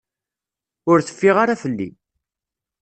Ur teffiɣ ara fell-i.